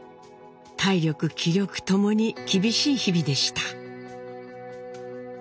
体力気力ともに厳しい日々でした。